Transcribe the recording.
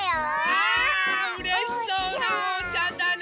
わあうれしそうなおうちゃんだね！